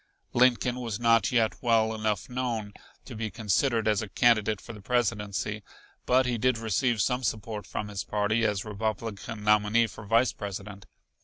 Lincoln was not yet well enough known, to be considered as a candidate for the Presidency, but he did receive some support from his party as Republican nominee for Vice President.